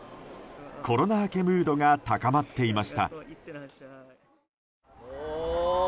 コロナ明けムードが高まっていました。